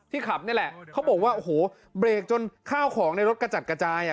ขับนี่แหละเขาบอกว่าโอ้โหเบรกจนข้าวของในรถกระจัดกระจายอ่ะ